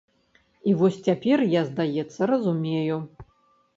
І вось цяпер я, здаецца, разумею.